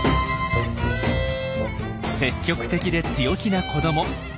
積極的で強気な子ども。